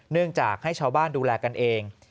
เนื่องจากให้ชาวบ้านดูแลกันเอง